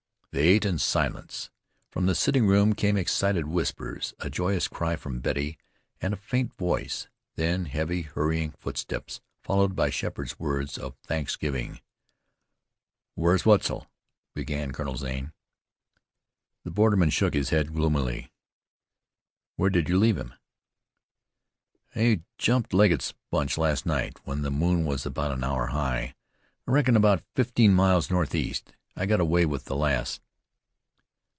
They ate in silence. From the sitting room came excited whispers, a joyous cry from Betty, and a faint voice. Then heavy, hurrying footsteps, followed by Sheppard's words of thanks giving. "Where's Wetzel?" began Colonel Zane. The borderman shook his head gloomily. "Where did you leave him?" "We jumped Legget's bunch last night, when the moon was about an hour high. I reckon about fifteen miles northeast. I got away with the lass."